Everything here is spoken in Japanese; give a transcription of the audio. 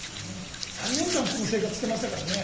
３年間、この生活してましたからね。